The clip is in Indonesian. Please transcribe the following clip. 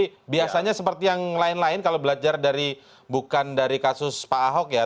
tapi biasanya seperti yang lain lain kalau belajar dari bukan dari kasus pak ahok ya